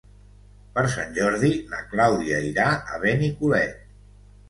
Per Sant Jordi na Clàudia irà a Benicolet.